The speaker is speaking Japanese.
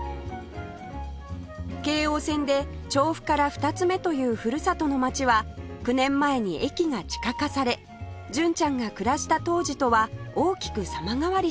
京王線で調布から２つ目というふるさとの町は９年前に駅が地下化され純ちゃんが暮らした当時とは大きく様変わりしました